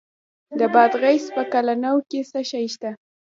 د بادغیس په قلعه نو کې څه شی شته؟